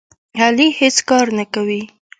علي هېڅ کار نه کوي.